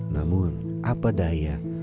namun apa daya